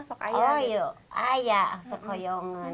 oh ya sudah belajar